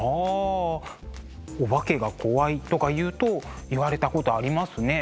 「お化けが怖い」とか言うと言われたことありますね。